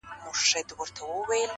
کتاب یعني تر ټولو ښه رهنما